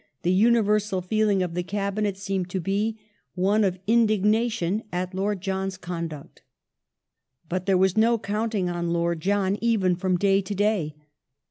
The universal feeling of the Cabinet seemed to be one of indignation ... at Lord John's conduct" ^ But there was no counting on Lord John even from day to day.